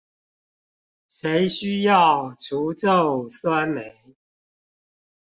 誰需要除皺酸梅